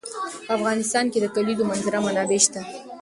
په افغانستان کې د د کلیزو منظره منابع شته.